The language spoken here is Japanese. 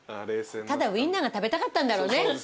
ただウインナーが食べたかったんだろうね。